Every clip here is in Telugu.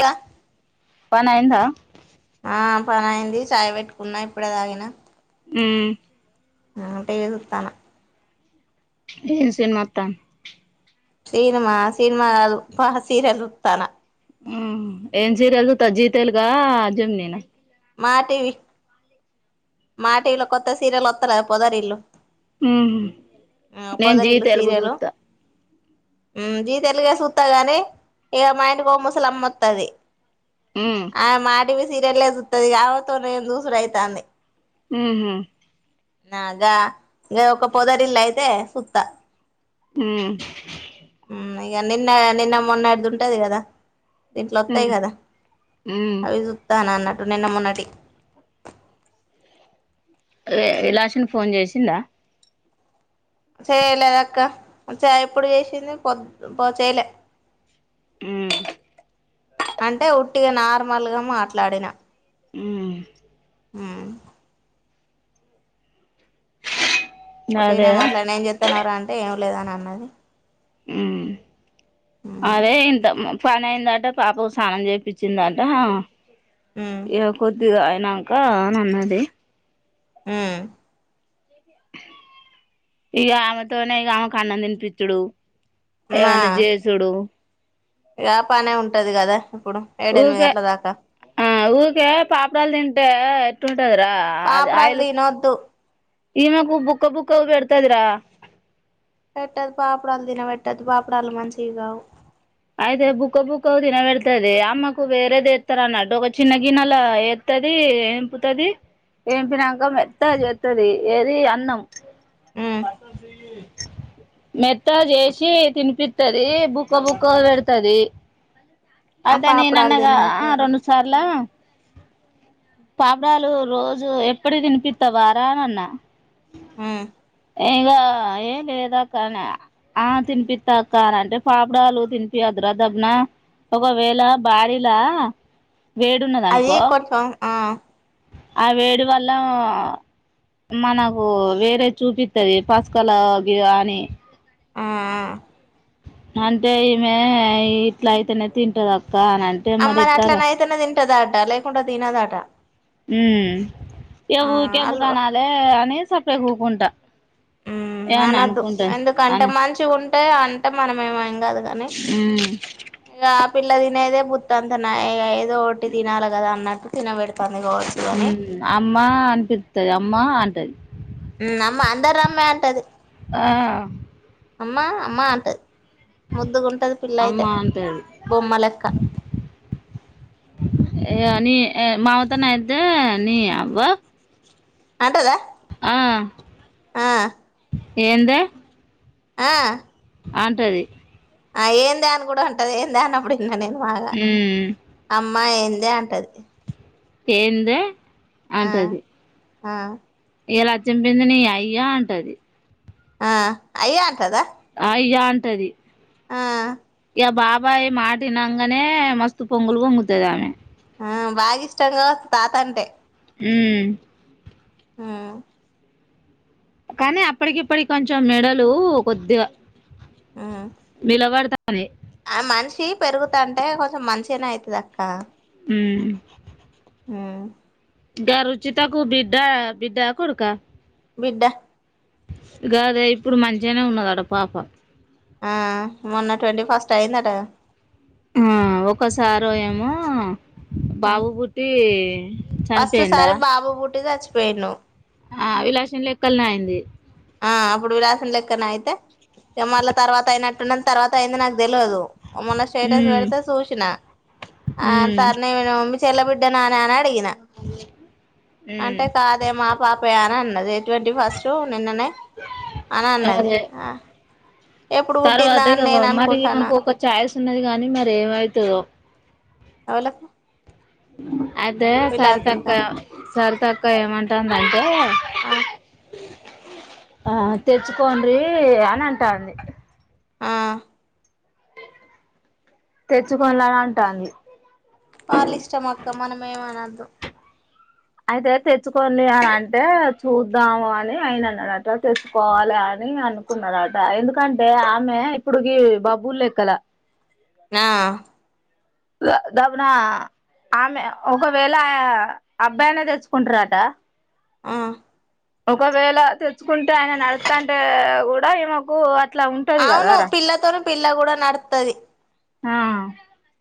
ఏద పనయింద ఆ పన అయింది చాయ పెట్టుకున్నా ఇప్పుడే తాగిన ఉ ఆ టీవీ చూత్తన్న ఏం సినిమా అత్తంది సినిమా సినిమా కాదు సీరియల్ సూత్తన్న ఉ ఏం సీరియల్ చూస్తన్నావ్ జీ తెలుగా జెమినీ నా మా టివి మాటీవీలో కొత్త సీరియల్ వత్తలేదా పొదరి ఇల్లు ఉ నేను జీ తెలుగు సీరియలు చూస్తా జీ తెెలుగే సుతా గాని ఇక మా ఇంటికో ముసలమ్మ అత్తది ఉమ్ ఆ మాటీవీ సీరియలే సూత్తది ఆమెతోని నేను సూసుడైతాంది ఉహు నాగా నేను ఒక పొదరిల్లు అయితే సుత్తా ఉ అయ్యా నిన్న నిన్న మొన్నడిది ఉంటది కదా దీంట్లో వత్తయి ఉమ్ కదా ఉమ్ అవి చూత్తను అన్నట్టు నిన్న మొన్నటియి ఏ విలాష్ని ఫోన్ చేసిందా చేయలేదక్క ఇప్పుడు చేసింది పొద్ చేయలే ఉ అంటే ఉట్టిగా నార్మల్గా మాట్లాడిన ఆ ఆ టి న అదే మాట్లాడి ఏం చెప్తున్నన్నారుా అంటే లేదా అని అన్నది ఆ ఉమ్ అదే ఇంత పనియిందట పాపకు స్నానం చేపిచిందంట ఉమ్ ఏ కొద్ది నాకా నన్నది ఆ ఇక ఆమెతోనే ఈ ఆమెకు అన్నం దని పిచ్చుడు ఎనజసుడు వ పనే ఉంటది కదా ఇప్పుడు ఏడ ఎనిమిది ఊకే గంటల దాకా. ఆ ఊకే పాపడాలు తింటేటు పాపుడల్ల్ ల్ది నోద్దు ఈ మకు బుక్క బుక్కఊ పెడతాదరా పెట్టదు పాపడాలు తినబెట్టదు పాపడాల్ మంచివి కావు. అయితే బుక్క బుక్క తినబెడతది అమ్మకు వేరేదిస్తారు అన్నట్టు. ఒక చిన్న గిన్నెలా ఏస్తుది ఎంపుతుది. ఎంపినాక మత్త అదిస్తుది. ఏది అన్నం ఉమ్ బత సయ [inaudible] మెత్త చేసి తినిపిస్తది బుక్క బుక్ కో పెడతుది ఆ అదా న పాపడాలు అన్నగా ఆ తినబెట్టద్దు రెండు సార్లా పాపడాలు రోజు ఎప్పుడు తినిపిస్తా వరా అనిన్న ఆ ఇంకా ఏం లేద అక్క అని ఆ తినిపిస్తా అక్క. అ అంటే పాపుడాలు తినిపి అదురా దబిన. ఒకవేళ భారలా అది కొసం ఆ ఆ వేడి వల్ల మనకు వేరే చూపిస్తుది పసుకల అని ఆ అంటే ఈమె ఇట్లా అయితేనే తింటది అక్క. కానంటే మరి ఇస్తారా ఇట్టా దాట లేకుంటె తీనా దాటా ఎవఊక అల్ దుకానాల అని సప్పుడే కూకుంటా అనద్దు ఎందుకంటే అని మంచి ఉంట అంటే అంటే మనమేమ కాదు కానీ ఉమ్ ఇక పిల్ల తినేదే బుత్త అంత ఏదో ఒకటి తినాలి కదా అన్నట్టు తినబెడతాను అమ్మ మా అమ్మా అపి ది అమ్మా అంటది అమ్మ అంద రామ్ మంటది ఆ అమ్మా అమ్మా అంటది ముద్దుగుంటది అమ్మ పిల్లయితే అంటది బొమ్మ లెక్క ఏ నీ మావ తోనైతే నీ అబ్బ అంటదా ఆ ఆ ఎంత ఆ అంటది ఆ ఏందే నీ కూడా ఉంటది ఏందే అప్పుడు న్న నేను మా అమ్మ మ్మ్ అమ్మా ఏందే అంటది ఏందే ఆ అంటది ఆ ఇలా చంపింది నీ అయ్యా అంటది ఆ అయ్య అంటదా అ అయ్య అంటది ఆ ఇంకా బాబాయ్ మాటినాంగానే మస్తు పొంగులు పొంగుతుది ఆమె ఆ బాగా ఇష్టంగా కదా తాత అంటే అమ్ ఆమ్ కానీ అప్పటికిప్పటి కొంచెం మెడలు కొద్దిగా ఉమ్ విలా వారత అరే ఆ మనిషి పెరుగుతంటే కొంచెం మనిషినే అవుతది అక్క అమ్ ఆమ్ గా రుచితకు బడ్డ బడ్డ కొడుకా బిడ్డ కాదే ఇప్పుడు మంచిగానే ఉన్నదడ పాప ఆ మొన్న ట్వంటీ ఫస్ట్ అయియందట ఆ ఒకసారో ఏమో బాబు బుట్టి అం ఫస్ట్ సారి బాబు పుట్టు సచ్చిపో వెను ఆ అ విలాషం లెక్కల్నా అయింది ఆ అప్పుడు విలాసం లెక్కన అయితే ఎమర్ల తర్వాత అయినట్ పుటిన తర్వాత అయింది నాకు తెలవదు మన్న స్టేటస్ ఉమ్ పెడితే చూసిన అ త ఉమ్ నను మీ చెల్లబిడ్డ నాని అని అడిగిన ఉమ్ అంటే కాదే మా పాపయ అని అన్నది ట్వంటీ ఫస్ట్ నిన్ననే ఆన్ అన్నది అదే ఆ ఎప్పుడు పుట్టిందా తర్వాత అని నేను మరి అనుకుంటానా మకు ఒక ఛాయిస్ స్తున్నది కాగానీ మర ఏమవుతుందో అవులా [inaudible] అయితే సర్తక సర్తక్ ఇ ఏమంటండంటే ఆ ఆ తెచ్చుకోండ్రి అని అంటాంది ఆ తెచ్చుకోల అని అంటుంది వల్ల ఇష్టం అక్క మనం ఏమన్ క్క అయితే తెచ్చుకోండి అని అంటే చూద్దాము అని అయిన అన్నాడట తెచ్చుకోవాలి అని అనుకున్నడట ఎందుకంటే ఆమె ఇప్పుడుకి బాబ్బు లెక్కల ఆ దబున ఆమె ఒకవేళ ఆ అబ్బాయినే తెచ్చుకుంటారట ఆ ఒకవేళ తెచ్చుకుంటే ఆయన నడుస్తంటే కూడా ఈమెకు అట్లా ఉంటది అవును కదారా పిల్ల తోనే పిల్ల కూడా నడుతది ఆ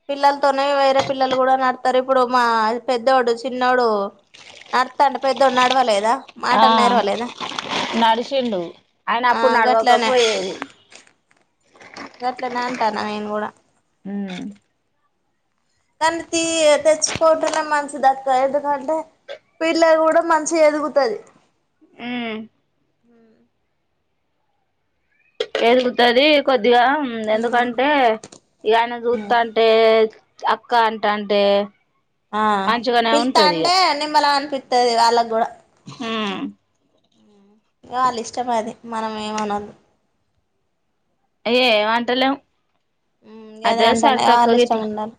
పిల్లలతోనే వేరే పిల్లలు కూడా నడతారు ఇప్పుడు మా పెద్దొడు చిన్న డు నడుతంటే పెద్దోడు నడవలేదా ఆ మాటలు నేరువ లేదా నడిచిండు ఆయన ఆ అప్పుడు గట్లనే నడవకపోయేది గట్లనే అంటాన నేను కూడా హమ్ కానీ తీ తెచ్చుకోవటమ మంచి అక్క ఎందుకంటే పిల్ల కూడ మంచిగ ఎదుగుతది హమ్ ఎదుగుతది కొద్ది కొద్దిగా ఎందుకంటే ఇక ఆయన చూస్తాంటే అక్క అంటంటే ఆ పిల్తంటే నిమ్మలం అనిపిస్తుంది తెల్తాది వాళ్ళకి కూడ హుమ్ వాళ్ళ ఇష్టం అది మనం ఏమానొద్దు. అయ్యో ఏమంటలేము అదే అంటానే వాళ్ళ ఇష్టం ఉండాలి.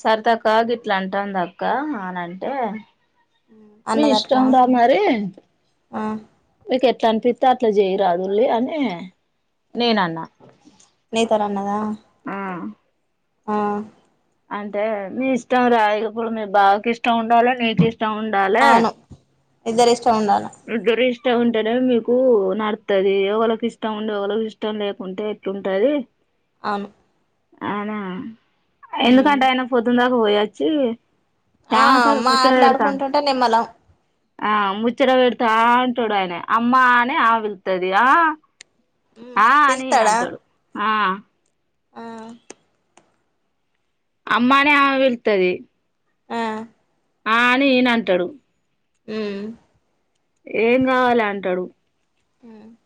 సరితక్క గిట్ల అంటంది అక్క అని అంటే. మీ అన్నది అట్లా ఇష్టం రా మరి ఆ మీకు ఎట్లానిపితే. ఎట్లా అనిపిస్తే అట్లా చేయరాదుండ్రి నీ తోని అన్నదా ఆ ఆ అంటే మీ ఇష్టం రా. ఇప్పుడు మీ బావ కి ఇష్టం ఉండాలి. నీకు ఇష్ట ఇష్టం ఉండాలి. ఇద్దరిష్టం ఇష్టం ఉండాలా ఇష్టం ఉంటేనే మీకు నడతది. ఓలకి ఇష్టం ఉండి ఒఓలకి ఇష్టం లేకుంటే ఎట్లుంటది. అను అవునా ఎందుకంటే అయన పొద్దునదాకా పోయొచ్చి ఆమ్ ఆమెతోని మా ముచ్చట ఆటలు పెడతాండు ఆడుకుంటుంటే నమ్మలం పెడుతా అంటాడు ఆయన అమ్మానే ఆ వెళ్తుది. ఆ ఆ అని నా పిలుత్తాడా అంటోడు ఆ ఆ అమ్మానే ఆ వెళతది ఆ ఆ అని ఈయన అంటాడు అ ఏం కావాల అంటాడు. అ [inaudible]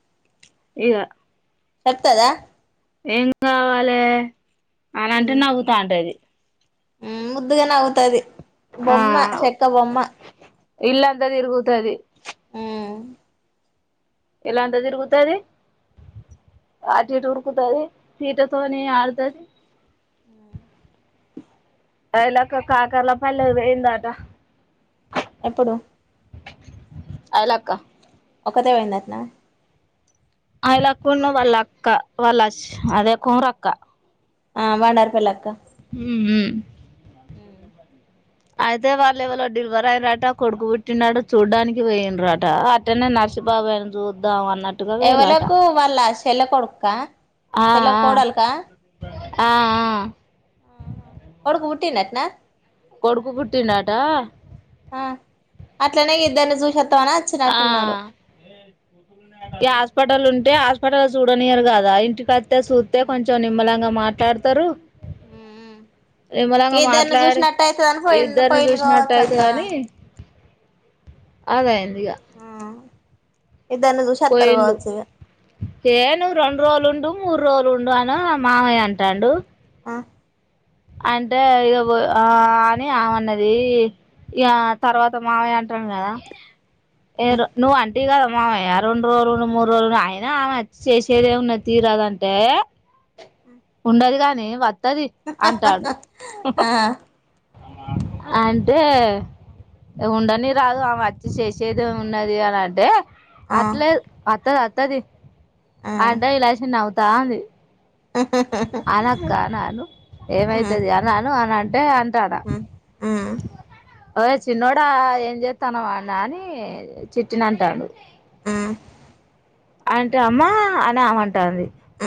ఇద చెప్తదా ఎం కావాలి. అన అంటే నవ్వుతూ ఉంటేది ఉ ముద్దుగానే ఆగుతాది బొమ్మ చెక్క బొమ్మ ఇల్ అంతది ఇరుగుతుది ఆ ఎలా అంతదిరు కుతదు ఆటి ఇటు ఉరుకుతుది పీటతోనే ఆడదరి ఆ అలాక [unintelligible] ఇందాక ఎప్పుడు ఆయిలక్క ఒకతె పోయిందట నా అయలాక్క ఉండాల వాళ్ళ అక్క వాళ్ళ వలశూ అదే కూర అక్క ఆ వాండారి పేల్లక్క హుమ్ హూ ఉమ్ అయితే వాళ్ళు ఎవరో డిలివర్ అయినారట కొడుకుబుట్టిన్నాడు చూడ్డానికి పోయిండ్రట అట్టనే నర్సిీబాబాయని చూద్దాం అన్న ఎవలకు వాళ్ళ చెల్ల కొడుకు క ఆ చెల్ల ఆ కొడాల క ఆ ఆ కొడుకు ఉట్టియాట్నా కొడుకు పుట్టిండుట ఆ అట్లనే ఇద్దరిని జూషత్ ఆ ఈ హాస్పిటల్ ఉంటే పటలా చూడనియరు కదా ఇంటి క చూత్తే కొంచెం నిమ్మలంగా మట్ ట్లాడతారు ఉమ్ ఆ ఏద్దరిని మాట్లాడి చూసినట్టు అయితుందని ప ఇద్దరిని పైలు కావచ్చ అక్క అదే అయ్యిందిగా ఆ ఇద్దరిని పోయిండు చూషత్తరగావచ్చ ఏ ను్వు రెండు రోజులుండు మూడు రోజులుండు అను మామయ్య అంటాడు ఆ అంటే ఇదో ఆ అని ఆమ అన్నది ఇక తర్వాత మావయ అంటాను కదా ఏదో నువు ఆంటివి కదా రెండు రోజులుండు మూడు రోజులు అయిన ఆమెచ్చి చేసేదేమున్నా తీరాదంటే ఉండది కాద్ నే వాత్ తది అంటాడు ఆ అంటే ఉండని రాదు ఆమె వచ్చి చేస్ చేదం ఏం ఉన్నది అని అంటే ఆ అట్లా లేద్ అత్త ఆ తది ఆ అంటే ఇలాస నవు తాంది అనక్క అను అను ఏమైతుది అను అను అన్నాన టే అం ఆ ఆ యే చిన్నోడ ఏం చేస్తాను అ అని చిట్టిన అంటాడు ఆ అంట అమ్మా అని అమంటాంది ఆ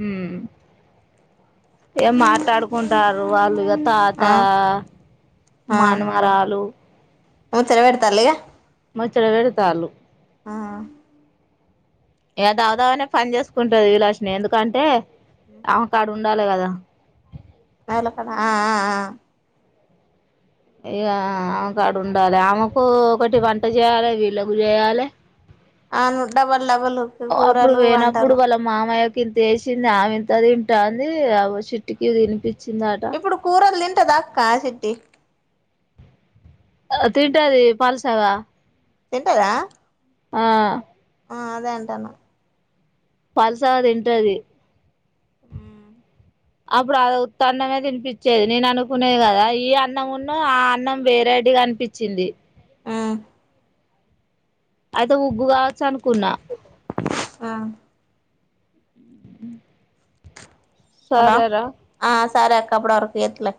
ఉ ఏ మాట్లాడుకుంటారు అల్గ తాత ఆ మానమరాలు ను తెెరవ పెడతారలఇగ మచ్చట వెడతాలు ఆ ఏద అవుదావనే పని చేసుకుంటది. విలాష్ని ఎందుకంటే అమకాడు ఉండాలి కదా. నల క ఇక ఆమెకాడు ఉండాలి ఆమెకు ఒకటి వంట చేయాలి వీళ్ళకు చేయాలి అవును డబల్ డబల్ కూరలు వంటలు ఇంతేసింది ఆమె ఇంతది వింటాంది అ చుటికి తనిపించిందాట కట్టదా కా సిటి తింటది పాల్సవా తింటదా ఆ ఆ అదేంటన్న పల్సది ఏంటది ఆ అప్పుడు అద ఉత్త అన్నమే తినిపించేది. నేను అనుకునేది కదా ఈ అన్నం ఉన్నా ఆ అన్నం వేరేడిగా అనిపించింది. ఆ అది ఉగ్గుకవచు చనుకున్నా ఉమ్ సరరా సారే అక్క అప్పడ వరకు చేతలే